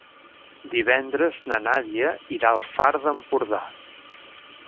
Divendres na Nàdia irà al Far d'Empordà.